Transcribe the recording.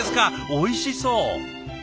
おいしそう。